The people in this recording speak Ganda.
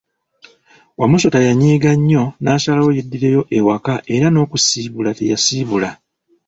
Wamusota yanyiiga nnyo nasalawo yeddireyo ewaka era n'okisiibula teyasiibula.